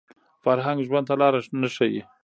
فرهنګ ژوند ته لاره نه ښيي